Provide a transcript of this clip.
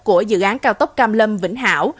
của dự án cao tốc cam lâm vĩnh hảo